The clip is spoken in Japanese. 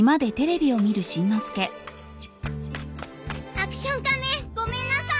アクション仮面ごめんなさい。